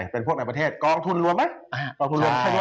เป็นพวกในประเทศกองทุนรวมไหม